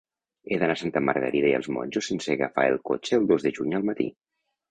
He d'anar a Santa Margarida i els Monjos sense agafar el cotxe el dos de juny al matí.